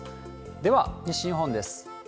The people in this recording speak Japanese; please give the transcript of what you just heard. では、西日本です。